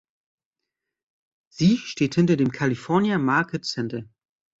Sie steht hinter dem California Market Center.